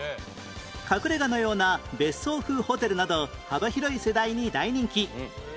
隠れ家のような別荘風ホテルなど幅広い世代に大人気